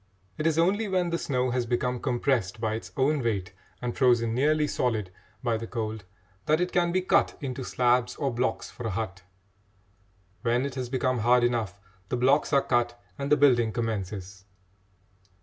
It is only when the snow has become compressed by its own weight and frozen nearly solid by the cold that it can be cut into slabs or blocks for a hut. When it has become hard enough, the blocks are cut and the building commences.